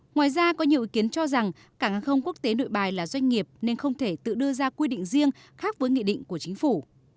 ngoài ra có nhiều ý kiến cho rằng cảng hàng không quốc tế nội bài là doanh nghiệp nên không thể tự đưa ra quy định riêng khác với nghị định của chính phủ